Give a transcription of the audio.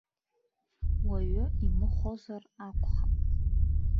Уаҩы имыхәозар акәхап.